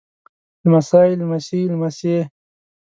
لمسی لمسي لمسې